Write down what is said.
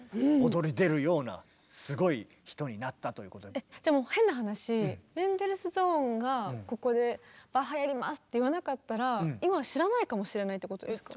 今やじゃあもう変な話メンデルスゾーンがここで「バッハやります」って言わなかったら今知らないかもしれないってことですか。